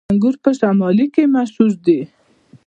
انګور په شمالی کې مشهور دي